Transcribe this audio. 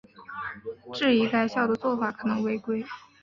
质疑该校的做法可能违规。